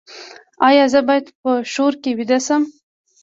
ایا زه باید په شور کې ویده شم؟